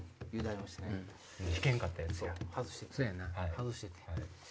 外しててん。